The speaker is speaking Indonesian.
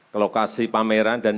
ke lokasi pameran dan